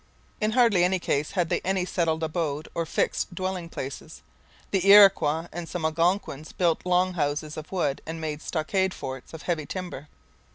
In hardly any case had they any settled abode or fixed dwelling places. The Iroquois and some Algonquins built Long Houses of wood and made stockade forts of heavy timber.